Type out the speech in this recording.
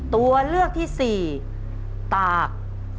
ตัวเลือกที่สี่ตาก